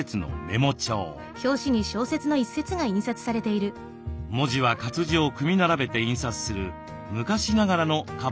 文字は活字を組み並べて印刷する昔ながらの活版印刷です。